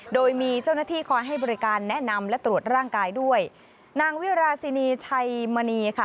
โดยมีเจ้าหน้าที่คอยให้บริการแนะนำและตรวจร่างกายด้วยนางวิราชินีชัยมณีค่ะ